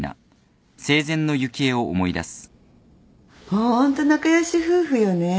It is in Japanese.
ホント仲良し夫婦よね